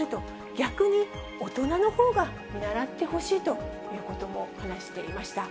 逆に、大人のほうが見習ってほしいということも話していました。